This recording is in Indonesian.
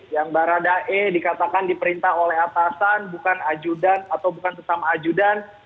yang baradae dikatakan diperintah oleh atasan bukan ajudan atau bukan sesama ajudan